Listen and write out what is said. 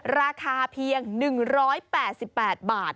ราคาเพียง๑๘๘บาท